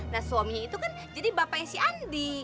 nah suaminya itu kan jadi bapaknya si andi